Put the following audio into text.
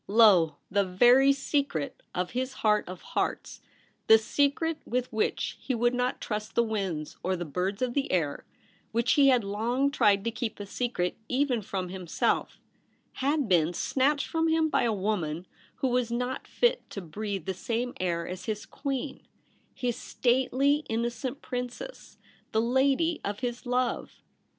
Lo ! the very secret of his heart of hearts — the secret with which he would not trust the winds or the birds of the air — which he had long tried to keep a secret even from himself — had been snatched from him by a woman who was not fit to breathe the same air as his queen, his stately innocent princess, the lady of his love.